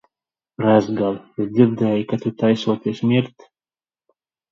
Rezgali, es dzirdēju, ka tu taisoties mirt?